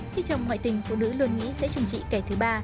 thị trùng ngoại tình phụ nữ luôn nghĩ sẽ chung trị kẻ thứ ba